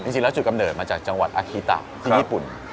จริงแล้วจุดกำเนิดมาจากจังหวัดอาคีตะที่ญี่ปุ่น